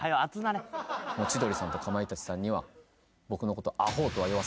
千鳥さんとかまいたちさんには僕のこと。